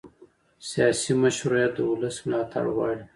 سیاسي مشروعیت د ولس ملاتړ غواړي